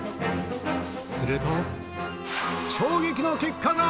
すると、衝撃の結果が。